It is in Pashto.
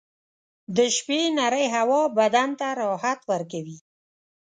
• د شپې نرۍ هوا بدن ته راحت ورکوي.